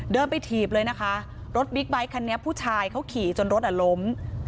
เดินไปถีบเลยนะคะรถบิ๊กไบท์คันนี้ผู้ชายเขาขี่จนรถอ่ะล้ม